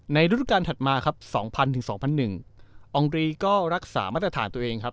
ในรุ่นการถัดมาครับ๒๐๐๐๒๐๐๑องลีก็รักษามาตรฐานตัวเองครับ